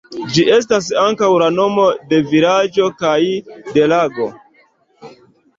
Ĝi estas ankaŭ la nomo de vilaĝo kaj de lago.